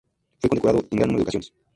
Fue condecorado en gran número de ocasiones.